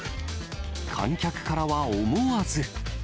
観客からは思わず。